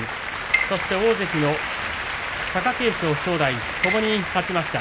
そして大関の貴景勝、正代ともに勝ちました。